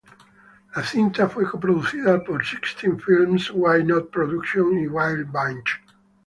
La cinta fue coproducida por Sixteen Films, Why Not Productions y Wild Bunch.